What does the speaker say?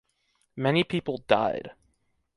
Many people died.